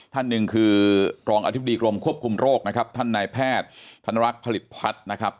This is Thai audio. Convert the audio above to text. ท่านหนึ่งคือรองอธิบดีกรมควบคุมโรคนะครับท่านนายแพทย์ธนรักษ์ผลิตพัฒน์นะครับ